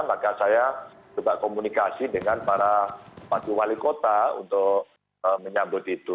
maka saya coba komunikasi dengan para wakil wali kota untuk menyambut itu